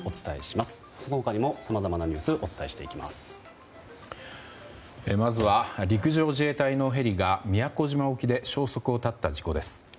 まずは陸上自衛隊のヘリが宮古島沖で消息を絶った事故です。